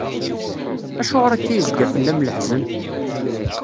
Acuɣer akka yezga fell-am leḥzen?